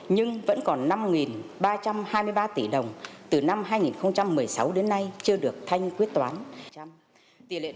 nhưng vẫn còn năm ba trăm hai mươi ba tỷ đồng từ năm hai nghìn một mươi sáu đến nay chưa được thanh quyết toán